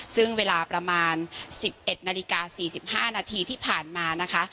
ซึ่งเวลาประมาณ๑๑นาฬิกา๔๕นาทีที่ผ่านมานะคะ